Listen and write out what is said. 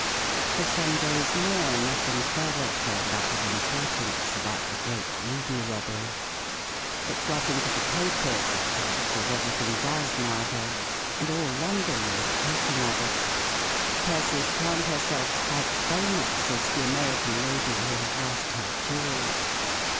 For some days more, nothing further turned up of importance about the Great Ruby Robbery. It got into the papers, of course, as everything does nowadays, and all London was talking of it. Persis found herself quite famous as the American lady who had lost her jewels.